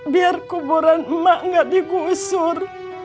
biar kuburan emak nggak digusur